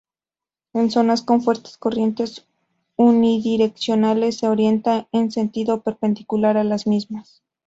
En zonas con fuertes corrientes unidireccionales, se orientan en sentido perpendicular a las mismas.